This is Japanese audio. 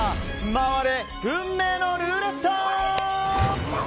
回れ、運命のルーレット！